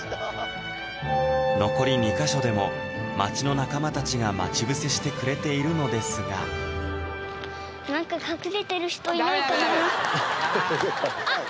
残り２か所でも町の仲間たちが待ちぶせしてくれているのですがあっ！